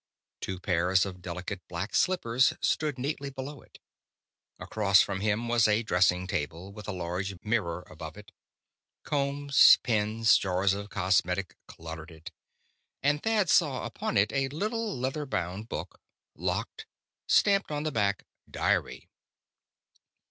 Two pairs of delicate black slippers stood neatly below it. Across from him was a dressing table, with a large mirror above it. Combs, pins, jars of cosmetic cluttered it. And Thad saw upon it a little leather bound book, locked, stamped on the back "Diary."